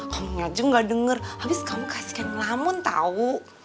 kamu aja gak denger habis kamu kasih kan lamun tau